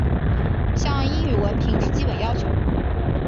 像英语文凭是基本要求。